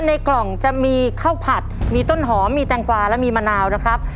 ในกล่องจะมีข้าวผัดมีต้นหอมมีแตงกวาและมีมะนาวนะครับ